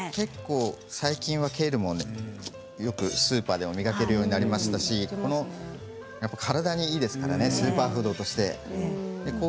最近はケールもよくスーパーでも見かけるようになりましたし体にいいですからねスーパーフードとして。